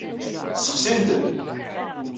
Ssexsin-ten.